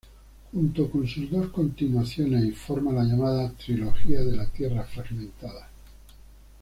Junto con sus dos continuaciones y forma la llamada "Trilogía de la Tierra Fragmentada".